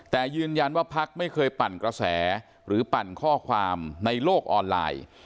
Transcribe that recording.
แต่ยืนยันว่าพักไม่เคยปั่นกระแสหรือปั่นข้อความในโลกออนไลน์